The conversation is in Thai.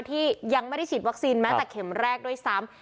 ที่ยังไม่ได้ฉีดวัคซีนแม้แต่เข็มแรกด้วยซ้ำ